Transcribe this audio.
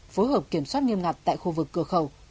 phối hợp kiểm soát nghiêm ngặt tại khu vực cửa khẩu